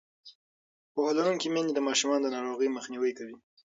پوهه لرونکې میندې د ماشومانو د ناروغۍ مخنیوی کوي.